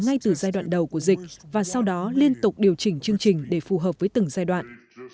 ngay từ giai đoạn đầu của dịch và sau đó liên tục điều chỉnh chương trình để phù hợp với từng giai đoạn